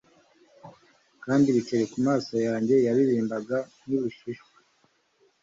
kandi ibiceri kumaso yanjye yaririmbaga nkibishishwa